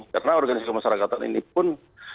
karena organisasi kemasyarakatan ini pun